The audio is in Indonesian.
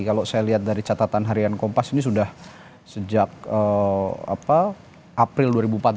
kalau saya lihat dari catatan harian kompas ini sudah sejak april dua ribu empat belas